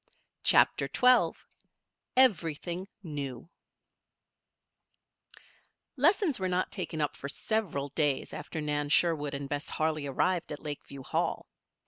CHAPTER XII EVERYTHING NEW Lessons were not taken up for several days after Nan Sherwood and Bess Harley arrived at Lakeview Hall.